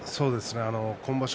今場所